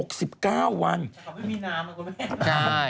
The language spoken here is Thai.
แต่เขาไม่มีน้ำอ่ะคุณแม่ใช่